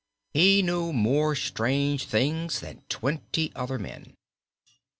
He knew more strange things than twenty other men.